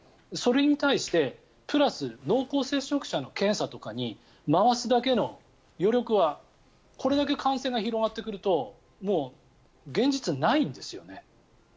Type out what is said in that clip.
それに対してプラス濃厚接触者の検査とかに回すだけの余力はこれだけ感染が広がってくるともう、現実ないんですよね。